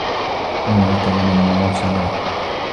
إِنَّكَ لَمِنَ المُرسَلينَ